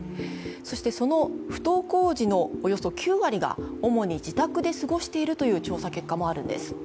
そしてその不登校児のおよそ９割が主に自宅で過ごしているという調査結果もあるんです。